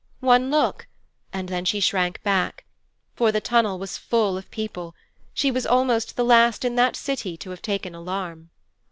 One look, and then she shrank back. For the tunnel was full of people she was almost the last in that city to have taken alarm.